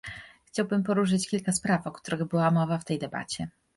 Chciałbym poruszyć kilka spraw, o których była mowa w tej debacie